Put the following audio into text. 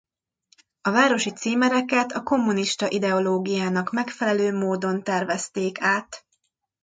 A városi címereket a kommunista ideológiának megfelelő módon tervezték át.